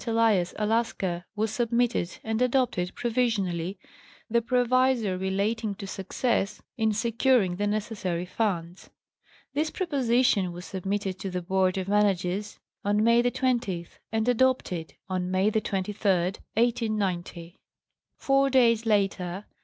Elias, Alaska, was sub mitted and adopted provisionally, the proviso relating to success in securing the necessary funds. This proposition was submitted to the Board of Managers May 20, and adopted May 23, 1890. Four days later, viz.